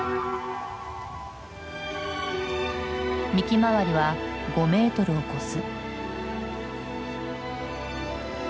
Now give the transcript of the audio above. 幹周りは５メートルを超す。